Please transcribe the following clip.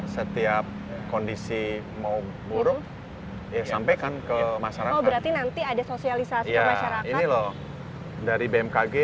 setiap kondisi mau buruk yang sampekan ke masalah bervati nanti ada sosialisasi ini loh dari bmkg